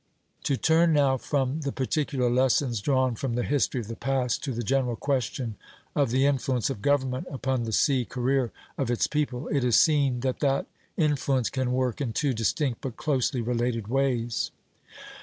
To turn now from the particular lessons drawn from the history of the past to the general question of the influence of government upon the sea career of its people, it is seen that that influence can work in two distinct but closely related ways.